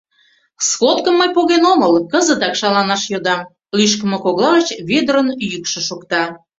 Сходкым мый поген омыл, кызытак шаланаш йодам! — лӱшкымӧ кокла гыч Вӧдырын йӱкшӧ шокта.